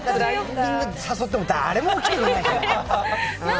みんな誘っても誰も来てくれないから。